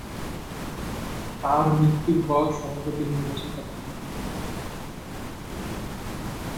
তার মৃত্যুর পর সভাপতি নির্বাচিত হন মুহাম্মদ তাকি উসমানি।